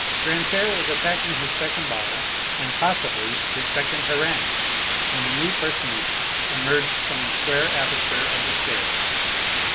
Grantaire was attacking his second bottle and, possibly, his second harangue, when a new personage emerged from the square aperture of the stairs.